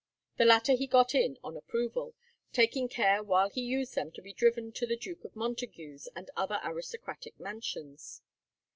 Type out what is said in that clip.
The latter he got in on approval, taking care while he used them to be driven to the Duke of Montague's and other aristocratic mansions.